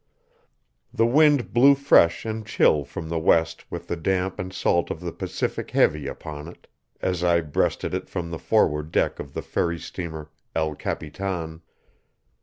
The wind blew fresh and chill from the west with the damp and salt of the Pacific heavy upon it, as I breasted it from the forward deck of the ferry steamer, El Capitan.